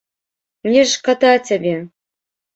Мне ж шкада цябе!